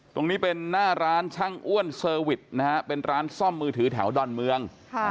ตรงนี้เป็นหน้าร้านช่างอ้วนเซอร์วิสนะฮะเป็นร้านซ่อมมือถือแถวดอนเมือง